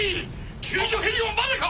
救助ヘリはまだか！